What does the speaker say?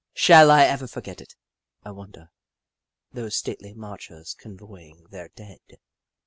Shall I ever forget it, I wonder — those stately marchers convoying their dead